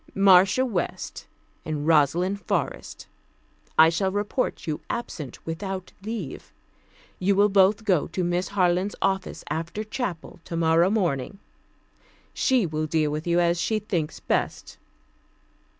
Marcia West and Rosalind Forrest, I shall report you absent without leave. You will both go to Miss Harland's office after chapel tomorrow morning. She will deal with you as she thinks best.